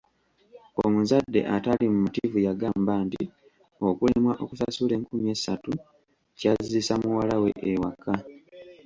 Omuzadde ataali mumativu yagamba nti okulemwa okusasula enkumi essatu kyazzisa muwala we ewaka!